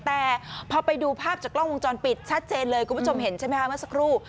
แต่พอไปดูภาพจากกล้องวงจรปิดชัดเจนเลยคุณผู้ชมเห็นใช่ไหมคะเมื่อสักครู่